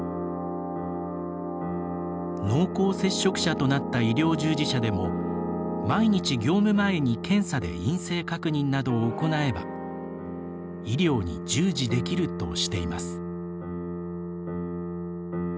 濃厚接触者となった医療従事者でも毎日、業務前に検査で陰性確認などを行えば医療に従事できるとしています。